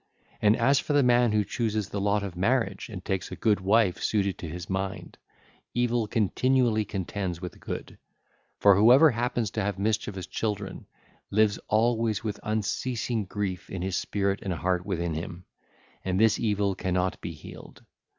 And as for the man who chooses the lot of marriage and takes a good wife suited to his mind, evil continually contends with good; for whoever happens to have mischievous children, lives always with unceasing grief in his spirit and heart within him; and this evil cannot be healed.